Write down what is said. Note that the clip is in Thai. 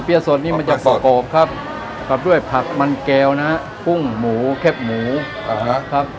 ป่อเปี๊ยะสดนี่มันจากสกบครับครับด้วยผักมันแก้วนะฮะปุ้งหมูเข็บหมูครับ